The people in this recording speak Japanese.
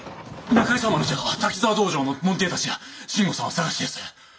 仲井様の手の滝沢道場の門弟たちが慎吾さんを捜していやす。